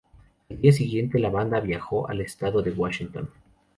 Al día siguiente, la banda viajó al estado de Washington.